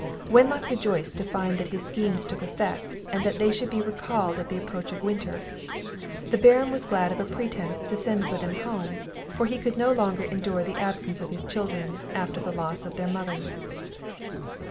] Wenlock rejoiced to find that his schemes took effect, and that they should be recalled at the approach of winter. The Baron was glad of a pretence to send for them home; for he could no longer endure the absence of his children, after the loss of their mother.